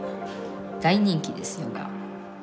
大人気ですヨガ。